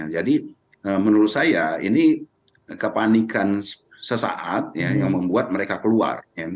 jadi menurut saya ini kepanikan sesaat yang membuat mereka keluar